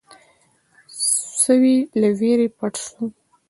سوی له وېرې پټ شو.